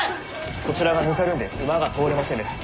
こちらはぬかるんで馬が通れませぬ。